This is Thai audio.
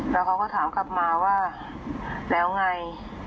แล้วเขาก็ถามกลับมาว่าแล้วไง